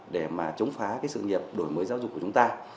để chống phá sự nghiệp đổi mới giáo dục của chúng ta